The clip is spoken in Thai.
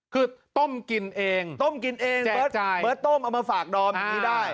คือต้มกินเองต้มกินเองแจกใจเบอร์ต้มเอามาฝากดอมอ่า